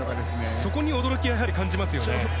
そこに驚きをやはり感じますよね。